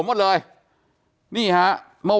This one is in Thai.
เฮ้ยเฮ้ยเฮ้ยเฮ้ยเฮ้ย